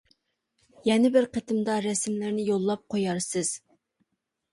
يەنە بىر قېتىمدا رەسىملىرىنى يوللاپ قويارسىز!